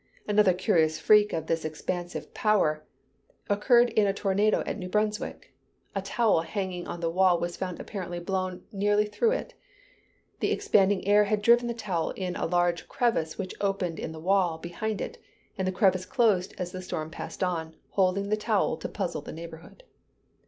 Another curious freak of this expansive power occurred in a tornado at New Brunswick. A towel hanging on the wall was found apparently blown nearly through it. The expanding air had driven the towel in a large crevice which opened in the wall behind it; and the crevice closed as the storm passed on, holding the towel to puzzle the neighborhood.